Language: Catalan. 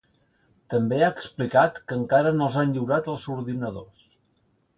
També ha explicat que encara no els han lliurat els ordinadors.